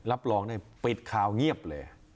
รับรองได้ปิดข่าวเงียบเลย